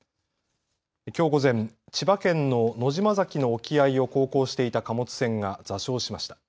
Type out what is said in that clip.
きょう午前、千葉県の野島埼の沖合を航行していた貨物船が座礁しました。